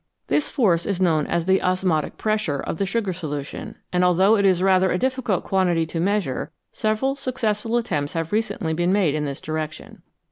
This force is known as the " osmotic pressure " of the sugar solution, and although it is rather a difficult quantity to measure, several successful attempts have recently been made in this direction.